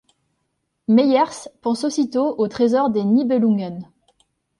Meiers pense aussitôt au Trésor des Nibelungen.